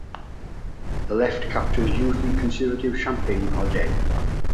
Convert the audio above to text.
The left captures usually conservative Champagne-Ardenne.